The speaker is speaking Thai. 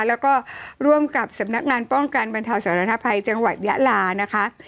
แล้วก็ร่วมกับสำนักงานป้องกันบรรเทาสาธารณภัยจังหวัดยะลานะคะ